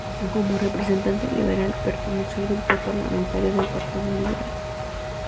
Como representante liberal, perteneció al grupo parlamentario del Partido Liberal.